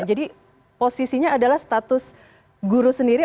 jadi posisinya adalah status guru sendiri